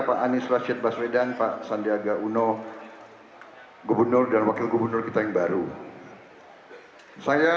pak anies rashid baswedan pak sandiaga uno gubernur dan wakil gubernur kita yang baru saya